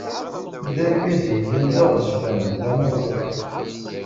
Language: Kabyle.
D argaz yellan d aɣezfan, d amurqiq.